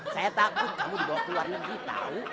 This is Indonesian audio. saya takut kamu dibawa ke luar negeri tahu